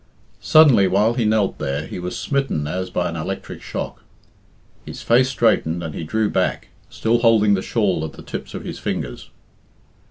Suddenly, while he knelt there, he was smitten as by an electric shock. His face straightened and he drew back, still holding the shawl at the tips of his fingers.